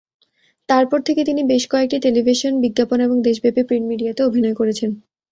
তারপর থেকে তিনি বেশ কয়েকটি টেলিভিশন বিজ্ঞাপন এবং দেশব্যাপী "প্রিন্ট মিডিয়াতে"অভিনয় করেছেন।